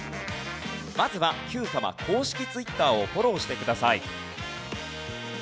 まずは『Ｑさま！！』公式ツイッターをフォローしてください。